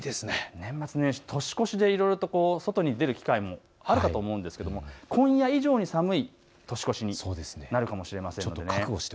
年末年始、年越しでいろいろ外に出る機会もあるかと思うんですが今夜以上に寒い年越しになるかもしれません。